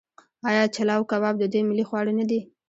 آیا چلو کباب د دوی ملي خواړه نه دي؟